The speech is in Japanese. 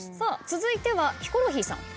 続いてはヒコロヒーさん。